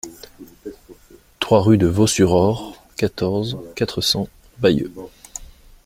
trois rue de Vaux-sur-Aure, quatorze, quatre cents, Bayeux